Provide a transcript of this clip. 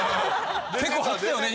結構張ってたよね